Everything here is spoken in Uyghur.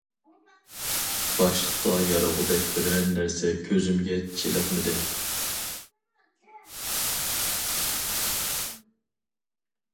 باشلىققا يارىغۇدەك بىرەر نەرسە كۆزۈمگە چېلىقمىدى.